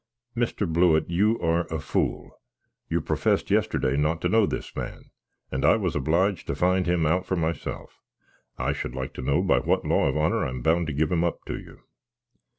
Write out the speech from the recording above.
"Mr. Blewitt, you are a fool! You professed yesterday not to know this man, and I was obliged to find him out for myself. I should like to know by what law of honour I am bound to give him up to you?"